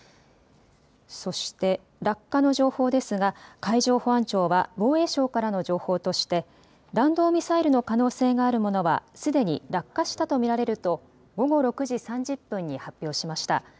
そして落下の情報ですが海上保安庁は防衛省からの情報として弾道ミサイルの可能性があるものはすでに落下したと見られると午後６時３０分に発表しました。